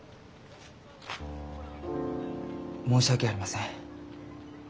申し訳ありません。